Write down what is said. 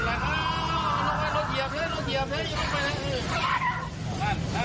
นั่นนั่นนั่น